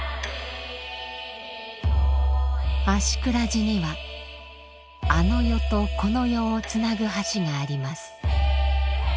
芦峅寺にはあの世とこの世をつなぐ橋があります。